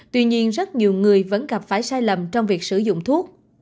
tuy nhiên rất nhiều người vẫn gặp phải sai lầm trong việc sử dụng thuốc